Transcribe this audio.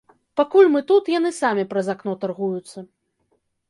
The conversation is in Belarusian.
Пакуль мы тут, яны самі праз акно таргуюцца.